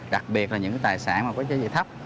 đặc biệt là những tài sản mà có giá trị thấp